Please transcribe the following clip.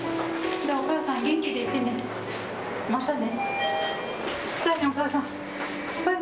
じゃあ、お母さん、元気でいてね。